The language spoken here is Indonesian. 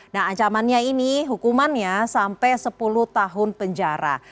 nah ancamannya ini hukumannya sampai sepuluh tahun penjara